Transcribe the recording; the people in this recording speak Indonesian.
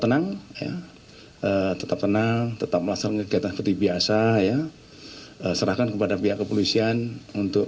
tenang tetap tenang tetap melaksanakan kegiatan seperti biasa ya serahkan kepada pihak kepolisian untuk